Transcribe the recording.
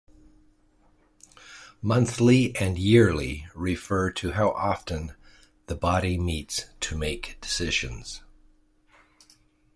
"Monthly" and "Yearly" refer to how often the body meets to make decisions.